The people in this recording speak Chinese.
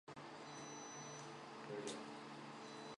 游戏源于陈星汉在南加州大学时期的一篇研究论文。